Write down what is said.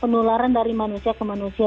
penularan dari manusia ke manusia